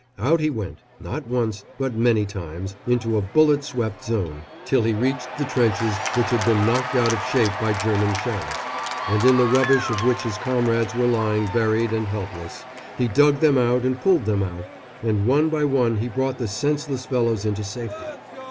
Out he went, not once, but many times, into a bullet swept zone, till he reached the trenches which had been knocked out of shape by German shells, and in the rubbish of which his comrades were lying buried and helpless. He dug them out and pulled them out, and one by one he brought the senseless fellows into safety.